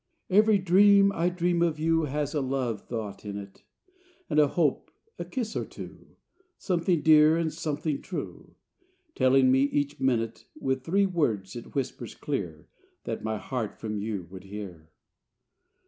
Every dream I dream of you Has a love thought in it, And a hope, a kiss or two, Something dear and something true, Telling me each minute, With three words it whispers clear What my heart from you would hear.